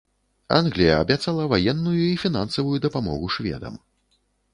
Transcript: Англія абяцала ваенную і фінансавую дапамогу шведам.